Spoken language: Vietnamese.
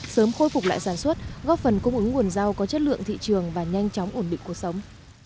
sớm khôi phục lại sản xuất góp phần cung ứng nguồn rau có chất lượng thị trường và nhanh chóng ổn định cuộc sống